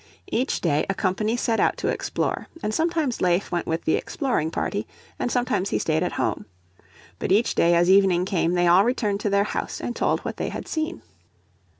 Each day a company set out to explore, and sometimes Leif went with the exploring party, and sometimes he stayed at home. But each day as evening came they all returned to their house, and told what they had seen.